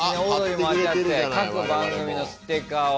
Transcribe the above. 各番組のステッカーを。